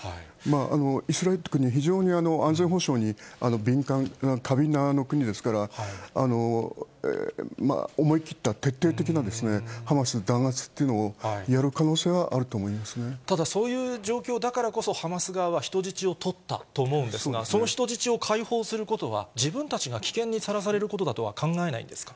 イスラエル軍、非常に安全保障に敏感、過敏な国ですから、思い切った徹底的なハマス弾圧っていうのをやる可能性はあると思ただそういう状況だからこそ、ハマス側は人質を取ったと思うんですが、その人質を解放することは、自分たちが危険にさらされることだとは考えないんですか？